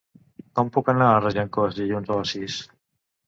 Com puc anar a Regencós dilluns a les sis?